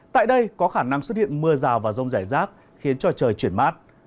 tại đây có khả năng xuất hiện mưa rào và rông rải rác khiến cho trời chuyển mát